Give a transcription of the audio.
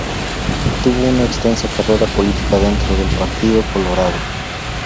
Tuvo una extensa carrera política dentro del Partido Colorado.